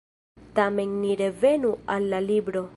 Tamen ni revenu al la libro.